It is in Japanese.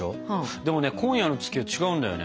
でもね今夜の月は違うんだよね。